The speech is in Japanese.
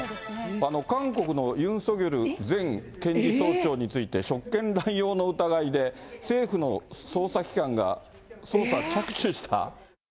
韓国のユン・ソギョル前検事総長について、職権乱用の疑いで政府の捜査機関が、捜査着手した。